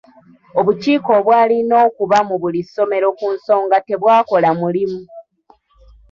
Obukiiko obwalina okuba mu buli ssomero ku nsonga tebwakola mulimu.